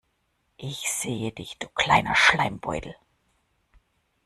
Ich seh dich du kleiner Schleimbeutel.